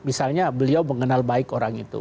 misalnya beliau mengenal baik orang itu